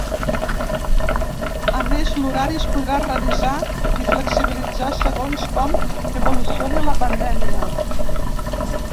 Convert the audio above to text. A més, l’horari es podrà revisar i flexibilitzar segons com evolucioni la pandèmia.